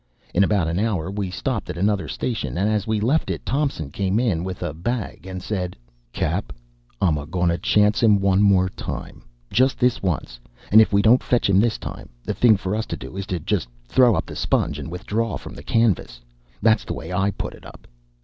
In about an hour we stopped at another station; and as we left it Thompson came in with a bag, and said, "Cap., I'm a going to chance him once more, just this once; and if we don't fetch him this time, the thing for us to do, is to just throw up the sponge and withdraw from the canvass. That's the way I put it up."